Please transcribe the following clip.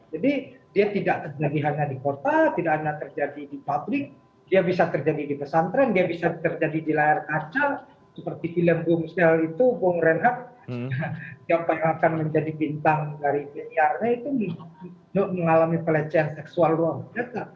jadi dia tidak terjadi hanya di kota tidak hanya terjadi di pabrik dia bisa terjadi di pesantren dia bisa terjadi di layar kaca seperti film bung snell itu bung renang yang pengen akan menjadi bintang dari bni karena itu mengalami pelecehan seksual luar negara